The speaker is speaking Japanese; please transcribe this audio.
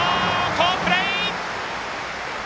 好プレー！